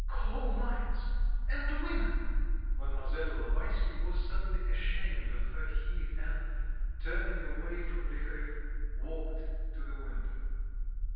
Coal mines ... and women!" Mlle. Ilovaisky was suddenly ashamed of her heat and, turning away from Liharev, walked to the window.